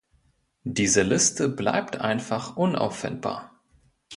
Diese Liste bleibt einfach unauffindbar.